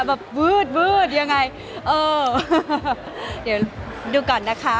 แบบวืดยังไงเดี๋ยวดูก่อนนะคะ